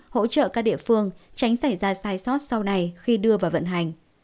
hỗ trợ các địa phương tránh xảy ra sai sót sau này khi đưa vào vận hành